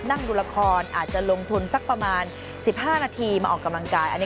นั่งดูละครอาจจะลงทุนสักประมาณ๑๕นาทีมาออกกำลังกาย